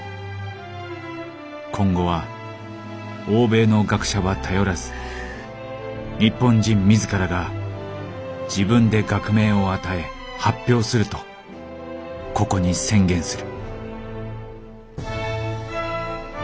今後は欧米の学者は頼らず日本人自らが自分で学名を与え発表するとここに宣言する」。